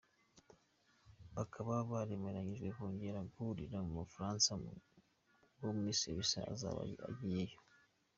Bakaba baremeranyijwe kongera guhurira mu Bufaransa ubwo Miss Elsa azaba agiyeyo.